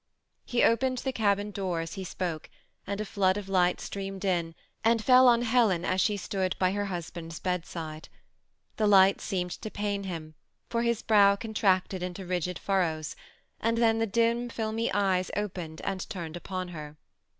He opened the cabin door as he spoke, and a flood of streamed in and fell on Helen as she stood by her and's bedside. The light seemed to pain him, for irow contracted into rigid furrows, and then the filmy eyes opened and turned upon her.